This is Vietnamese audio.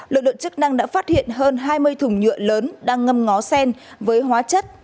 lực lượng chức năng đã phát hiện hơn hai mươi thùng nhựa lớn đang ngâm ngó sen với hóa chất